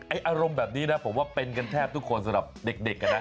อารมณ์แบบนี้นะผมว่าเป็นกันแทบทุกคนสำหรับเด็กนะ